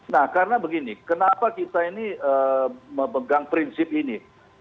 nah karena begini kenapa kita ini memegang prinsip ini